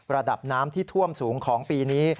ระดับน้ำที่ท่วมสูงของปีนี้